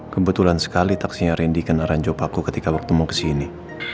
kebetulan sekali taksinya rendy kena aranjop aku ketika bertemu kesini